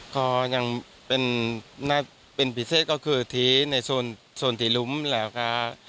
ก็ยังเป็นหน้าเป็นพิเศษก็คือทีในโซนที่ลุ้มแล้วก็